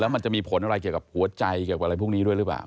มันจะมีผลอะไรเกี่ยวกับหัวใจเกี่ยวกับอะไรพวกนี้ด้วยหรือเปล่า